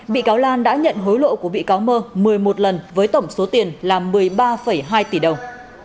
bị cáo lan đã nhận hối lộ của bị cáo mơ một mươi một lần với tổng số tiền là một mươi ba hai tỷ đồng